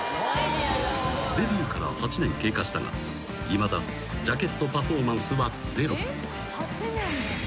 ［デビューから８年経過したがいまだジャケットパフォーマンスはゼロ］